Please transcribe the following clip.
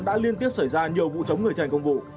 đã liên tiếp xảy ra nhiều vụ chống người thành công vụ